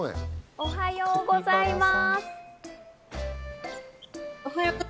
おはようございます！